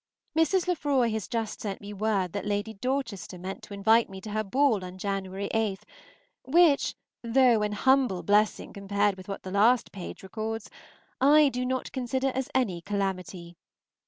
Mrs. Lefroy has just sent me word that Lady Dorchester meant to invite me to her ball on January 8, which, though an humble blessing compared with what the last page records, I do not consider as any calamity.